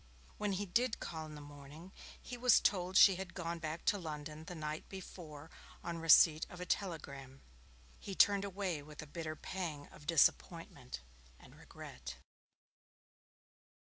When he did call in the morning, he was told she had gone back to London the night before on receipt of a telegram. He turned away with a bitter pang of disappointment and regret.